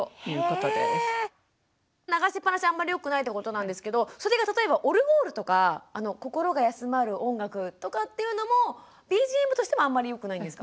流しっぱなしあんまりよくないってことなんですけどそれが例えばオルゴールとか心が休まる音楽とかっていうのもＢＧＭとしてもあんまりよくないんですか？